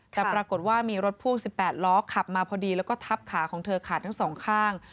แต่ปรากฏว่ามีรถพ่วง๑๘ล้อขับมาพอดีแล้วก็ทับขาของเธอขาดทั้งสองข้าง